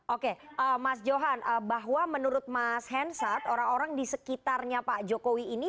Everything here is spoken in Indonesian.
oke mas johan bahwa menurut mas hensat orang orang di sekitarnya pak jokowi ini